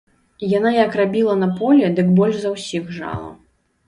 Яна як рабіла на полі, дык больш за ўсіх жала.